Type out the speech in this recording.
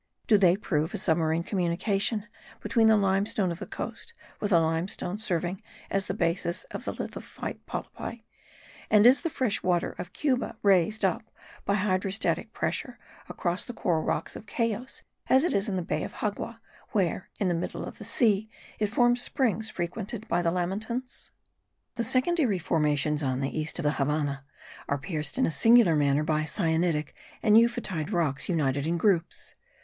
Do they prove a submarine communication between the limestone of the coast with the limestone serving as the basis of lithophyte polypi, and is the fresh water of Cuba raised up by hydrostatic pressure across the coral rocks of Cayos, as it is in the bay of Xagua, where, in the middle of the sea, it forms springs frequented by the lamantins? The secondary formations on the east of the Havannah are pierced in a singular manner by syenitic and euphotide rocks united in groups.